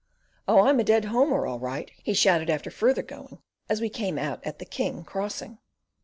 "Oh I'm a dead homer all right," he shouted after further going as we came out at the "King" crossing.